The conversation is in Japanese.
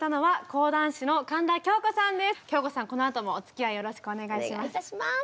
このあともおつきあいよろしくお願いします。